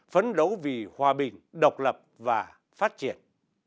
phấn đấu vì hòa bình độc lập và phát triển